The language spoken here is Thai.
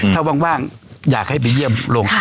ถ้าว่างอยากให้ไปเยี่ยมลง